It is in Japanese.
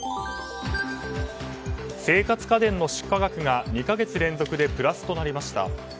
生活家電の出荷額が２か月連続でプラスとなりました。